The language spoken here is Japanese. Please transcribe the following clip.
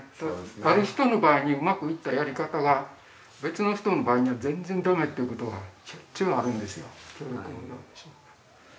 ある人の場合にうまくいったやり方が別の人の場合には全然ダメということがしょっちゅうあるんですよ。